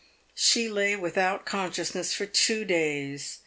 She lay without consciousness for two days.